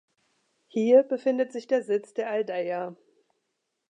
Hier befindet sich der Sitz der Aldeia.